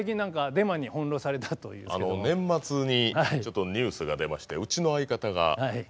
年末にちょっとニュースが出ましてうちの相方が吉本を辞めるという。